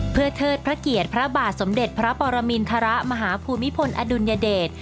เพื่อเทิดพระเกียรติพระบาทสมเด็จพระปรมินทรมาฮภูมิพลอดุลยเดช